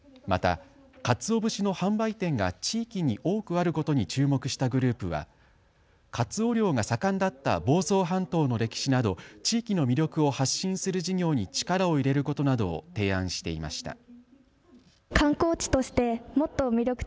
また、かつお節の販売店が地域に多くあることに注目したグループはかつお漁が盛んだった房総半島の歴史など地域の魅力を発信する事業に力を入れることなどを提案していました。